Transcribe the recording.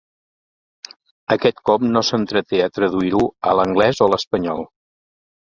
Aquest cop no s'entreté a traduir-ho a l'anglès o l'espanyol.